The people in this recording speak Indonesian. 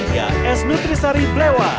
yang satu dr fari yang satu lagi pak bobi